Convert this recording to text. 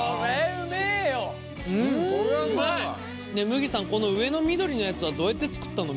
むぎさんこの上の緑のやつはどうやって作ったの？